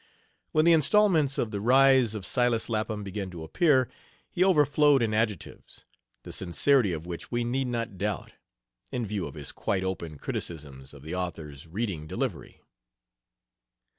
When the instalments of The Rise of Silas Lapham began to appear, he overflowed in adjectives, the sincerity of which we need not doubt, in view of his quite open criticisms of the author's reading delivery.